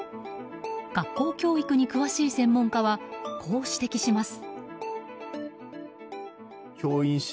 学校教育に詳しい専門家はこう指摘します。